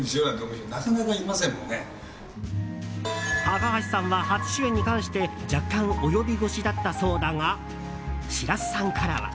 高橋さんは初主演に関して若干、及び腰だったそうだが白洲さんからは。